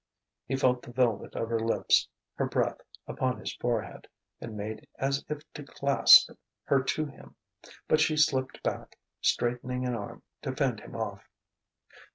He felt the velvet of her lips, her breath, upon his forehead; and made as if to clasp her to him. But she slipped back, straightening an arm to fend him off.